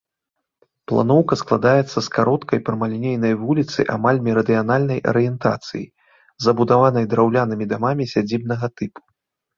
Планоўка складаецца з кароткай прамалінейнай вуліцы амаль мерыдыянальнай арыентацыі, забудаванай драўлянымі дамамі сядзібнага тыпу.